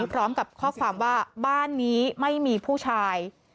พร้อมกับข้อความว่าบ้านนี้ไม่มีผู้ชาย